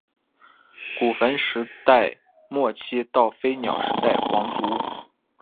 古坟时代末期到飞鸟时代皇族。